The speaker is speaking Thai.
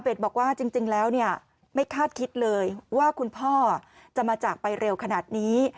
บอกว่าจริงแล้วเนี่ยไม่คาดคิดเลยว่าคุณพ่อจะมาจากไปเร็วขนาดนี้